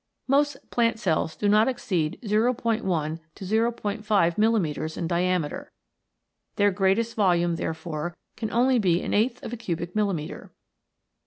Most plant cells do not exceed o i to 0 5 millimetres in diameter. Their greatest volume therefore can only be an eighth of a cubic milli metre.